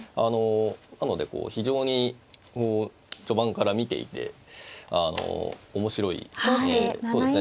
なのでこう非常に序盤から見ていて面白いそうですね